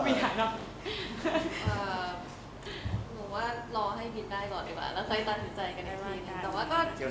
เที่ยวในไทยก่อน